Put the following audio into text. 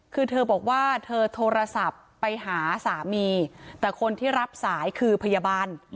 คือเธอบอกว่าเธอโทรศัพท์ไปหาสามีแต่คนที่รับสายคือพยาบาล